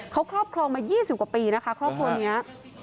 เขาครอบครองมา๒๐กว่าปีนะคะครอบครัวนี้